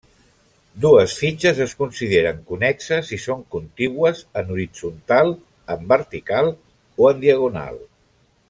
Dues fitxes es consideren connexes si són contigües en horitzontal, en vertical o en diagonal.